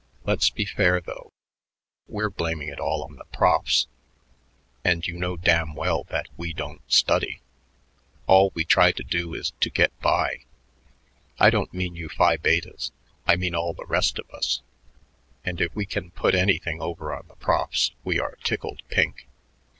Let's be fair, though. We're blaming it all on the profs, and you know damn well that we don't study. All we try to do is to get by I don't mean you Phi Betes; I mean all the rest of us and if we can put anything over on the profs we are tickled pink.